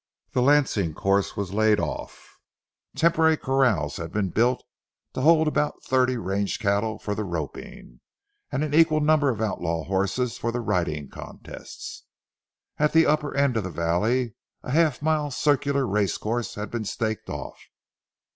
The lancing course was laid off; temporary corrals had been built, to hold about thirty range cattle for the roping, and an equal number of outlaw horses for the riding contests; at the upper end of the valley a half mile circular racecourse had been staked off.